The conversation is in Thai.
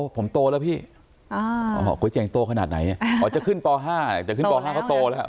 ผมโตแล้วพี่ก๋วยเจ๋งโตขนาดไหนอ๋อจะขึ้นป๕จะขึ้นป๕เขาโตแล้ว